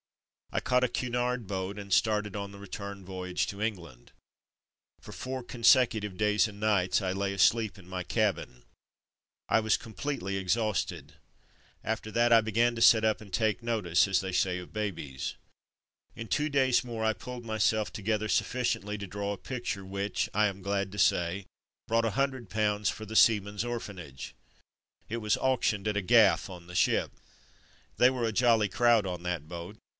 I caught a Cunard boat, and started on the return voyage to England. For four consecutive days and nights I lay asleep in my cabin. I was completely ^•^ A PAGE FROM HY SKETCH BOOK 309 310 From Mud to Mufti exhausted. After that I began to sit up and "take notice/' as they say of babies. In two days more I pulled myself together sufficiently to draw a picture which, I am glad to say, brought £ioo for the Seamen's Orphanage. It was auctioned at a ''gaff'' on the ship. They were a jolly crowd on that boat.